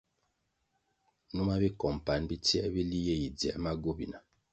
Numa bicompanʼ bitsiē bili ye yi dziē ma gobina.